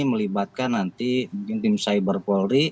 melibatkan nanti mungkin tim cyber polri